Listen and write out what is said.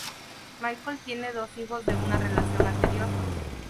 Michael tiene dos hijos de una relación anterior.